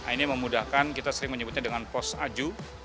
ini memudahkan kita sering menyebutnya dengan pos aju